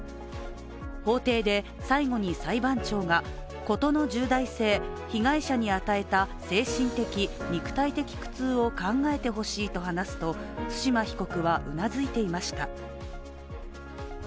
法廷で、最後に裁判長が事の重大性、被害者に与えた精神的・肉体的苦痛を考えて欲しいと話すと対馬被告はうなずいていました。